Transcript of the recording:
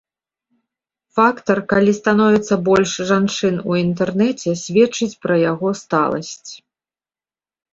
Фактар, калі становіцца больш жанчын у інтэрнэце, сведчыць пра яго сталасць.